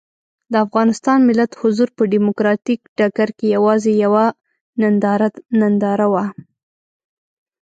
د افغانستان ملت حضور په ډیموکراتیک ډګر کې یوازې یوه ننداره وه.